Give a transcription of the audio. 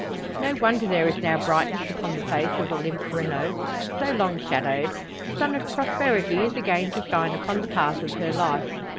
No wonder there is now brightness upon the face of Olympe Renault, so long shadowed. The sun of prosperity is again to shine upon the path of her life.